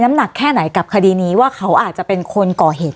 หนักแค่ไหนกับคดีนี้ว่าเขาอาจจะเป็นคนก่อเหตุ